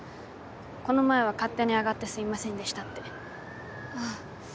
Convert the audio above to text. この前は勝手に上がってすいませんでしたってあ